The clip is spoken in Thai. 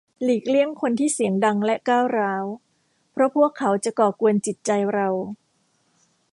หลีกเลี่ยงคนที่เสียงดังและก้าวร้าว เพราะพวกเขาจะก่อกวนจิตใจเรา